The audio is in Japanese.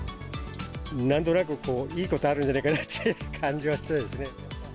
なんとなくこう、いいことあるんじゃないかなっていう感じはする。